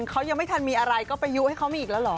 เขายังไม่ทันมีอะไรก็ไปยุให้เขามีอีกแล้วเหรอ